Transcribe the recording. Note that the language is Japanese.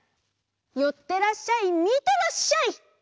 寄ってらっしゃい見てらっしゃい。